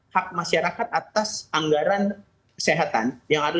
hak masyarakat atas anggaran kesehatan